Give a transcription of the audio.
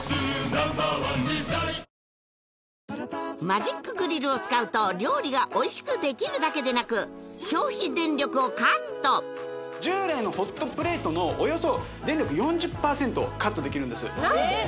マジックグリルを使うと料理がおいしくできるだけでなく消費電力をカット従来のホットプレートのおよそ電力４０％カットできるんです何で？